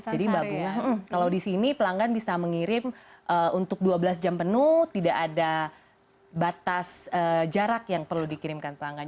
jadi mbak bunga kalau di sini pelanggan bisa mengirim untuk dua belas jam penuh tidak ada batas jarak yang perlu dikirimkan pelanggan